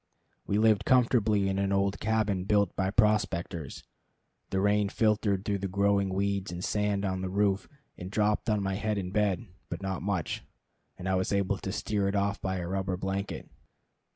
We lived comfortably in an old cabin built by prospectors. The rain filtered through the growing weeds and sand on the roof and dropped on my head in bed; but not much, and I was able to steer it off by a rubber blanket.